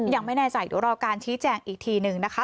ยังไม่แน่ใจเดี๋ยวรอการชี้แจงอีกทีหนึ่งนะคะ